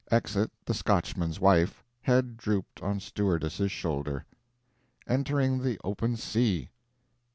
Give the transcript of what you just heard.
Exit the Scotchman's wife, head drooped on stewardess's shoulder. Entering the open sea.